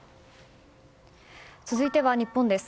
続いては日本です。